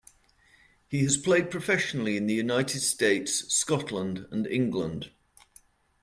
He has played professionally in the United States, Scotland, and England.